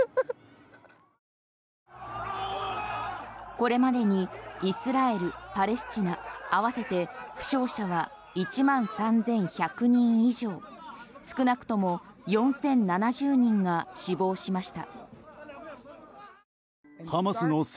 これまでにイスラエル・パレスチナ合わせて負傷者は１万３１００人以上少なくとも４０７０人が死亡しました。